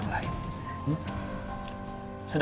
aku mau ngerti